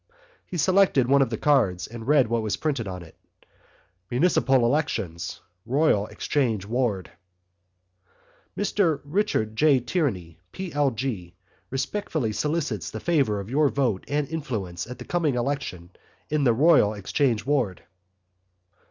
He selected one of the cards and read what was printed on it: MUNICIPAL ELECTIONS ROYAL EXCHANGE WARD Mr Richard J. Tierney, P.L.G., respectfully solicits the favour of your vote and influence at the coming election in the Royal Exchange Ward.